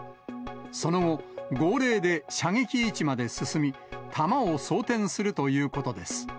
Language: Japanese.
その後、号令で射撃位置まで進み、弾を装填するということです。